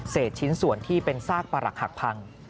ชิ้นส่วนที่เป็นซากประหลักหักพัง